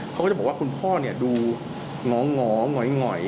เขาก็จะบอกว่าคุณพ่อดูงอหงอย